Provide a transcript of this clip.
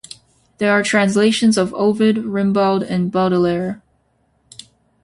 There are translations of Ovid, Rimbaud and Baudelaire.